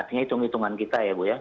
artinya hitung hitungan kita ya bu ya